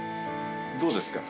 どうですか？